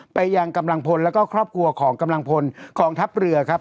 ไปยังกำลังพลแล้วก็ครอบครัวของกำลังพลกองทัพเรือครับ